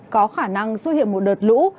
có khả năng xuất hiện một đợt lũ